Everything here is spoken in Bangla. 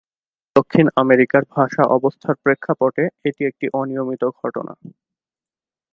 দক্ষিণ আমেরিকার ভাষা অবস্থার প্রেক্ষাপটে এটি একটি অনিয়মিত ঘটনা।